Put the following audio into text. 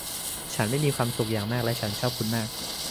ฉันไม่มีความสุขอย่างมากและฉันชอบคุณมาก